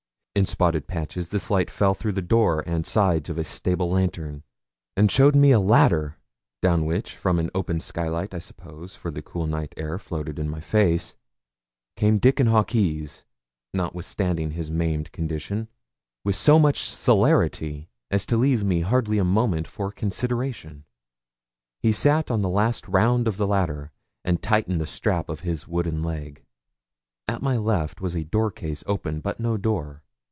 In spotted patches this light fell through the door and sides of a stable lantern, and showed me a ladder, down which, from an open skylight I suppose for the cool night air floated in my face, came Dickon Hawkes notwithstanding his maimed condition, with so much celerity as to leave me hardly a moment for consideration. He sat on the last round of the ladder, and tightened the strap of his wooden leg. At my left was a door case open, but no door.